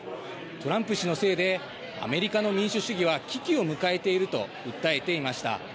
トランプ氏のせいでアメリカの民主主義は危機を迎えていると訴えていました。